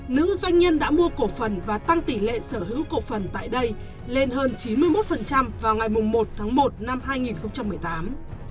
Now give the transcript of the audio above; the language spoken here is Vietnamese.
nữ doanh nhân đã mua cổ phần và tăng tỷ lệ sở hữu cổ phần tại đây lên hơn chín mươi một vào ngày một tháng một năm hai nghìn một mươi tám